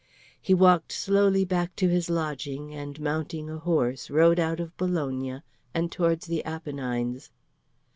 He walked slowly back to his lodging, and mounting a horse rode out of Bologna, and towards the Apennines.